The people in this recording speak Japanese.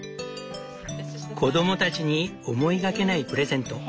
子供たちに思いがけないプレゼント。